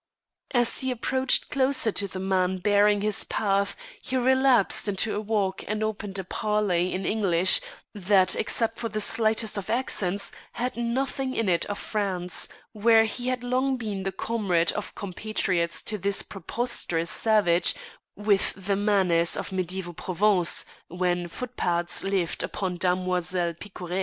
As he approached closer to the man barring his path he relapsed into a walk and opened a parley in English that except for the slightest of accents had nothing in it of France, where he had long been the comrade of compatriots to this preposterous savage with the manners of medieval Provence when footpads lived upon Damoiselle Picoree.